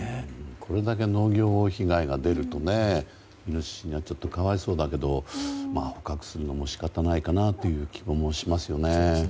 これだけ農業被害が出るとイノシシにはちょっと可哀想だけど捕獲するのも仕方ないかなという気もしますよね。